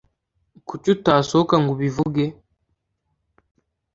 Kuki utasohoka ngo ubivuge?